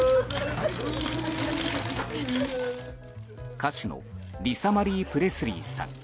歌手のリサ・マリー・プレスリーさん。